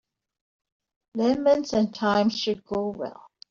Lemons and thyme should go well.